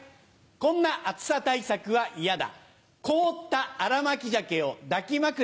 こんな暑さ対策は嫌だ。